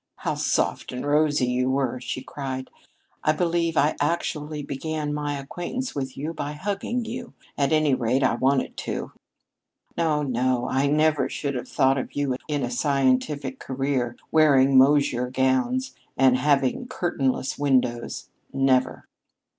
"How soft and rosy you were!" she cried. "I believe I actually began my acquaintance with you by hugging you. At any rate, I wanted to. No, no; I never should have thought of you in a scientific career, wearing Moshier gowns and having curtain less windows. Never!"